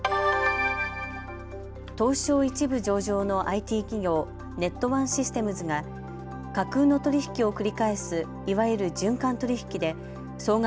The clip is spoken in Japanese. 東証１部上場のＩＴ企業、ネットワンシステムズが架空の取り引きを繰り返すいわゆる循環取引で総額